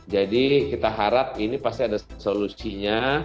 jadi kita harap ini pasti ada solusinya